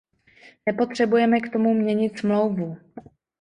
Nepotřebujeme k tomu měnit Smlouvu.